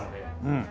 うん。